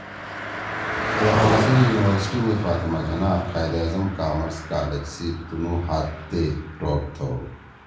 پیخور سی یونیورسٹی می فاطمہ جناح قائداعظم کامرس کالج سی تنُو ہات تے ٹوپ تھؤ